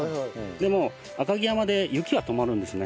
でも赤城山で雪が止まるんですね。